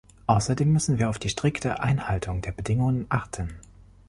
Außerdem müssen wir auf die strikte Einhaltung der Bedingungen achten.